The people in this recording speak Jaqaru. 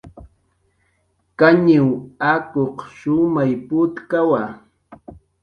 Kañiw akuq shumay putkawa